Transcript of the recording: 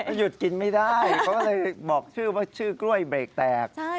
หยุดกินไม่ได้เขาเลยบอกชื่อว่าชื่อกล้วยเบรกแตก